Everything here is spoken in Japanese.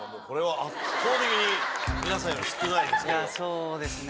そうですね。